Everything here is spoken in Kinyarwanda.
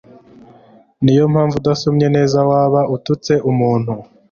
ni yo mpamvu udasomye neza waba ututse umuntu